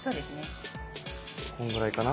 こんぐらいかな。